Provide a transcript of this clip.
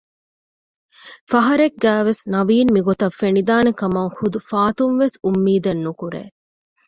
ފަހަރެއްގައިވެސް ނަވީން މިގޮތަށް ފެނިދާނެކަމަށް ޙުދު ފާތުންވެސް އުއްމީދެއް ނުކުރޭ